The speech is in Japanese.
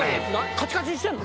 カチカチにしてんの？